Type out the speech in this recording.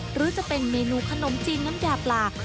หรือจะเป็นเมนูขนมจีนน้ำยาปลา